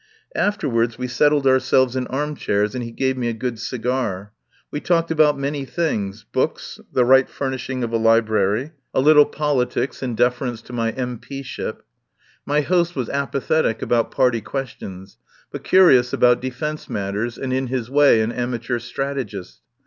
Afterwards we settled ourselves in arm chairs and he gave me a good cigar. We talked about many things — books, the right furnishing of a library, a little politics in def 63 THE POWER HOUSE erence to my M.P. ship. My host was apa thetic about party questions, but curious about defence matters and in his way an amateur strategist.